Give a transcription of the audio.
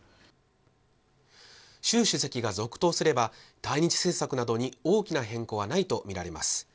習主席が続投すれば、対日政策などに大きな変更はないと見られます。